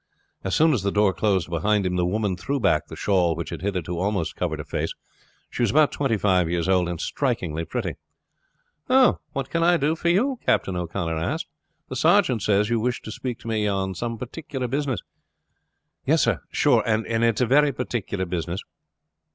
As soon as the door closed behind him the woman threw back the shawl which had hitherto almost covered her face. She was about twenty five years old, and strikingly pretty. "What can I do for you?" Captain O'Connor asked. "The sergeant says you wish to speak to me on some particular business." "Yes, sir; sure, and it is very particular business."